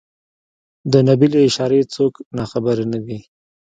د نبي له اشارې څوک ناخبر نه دي.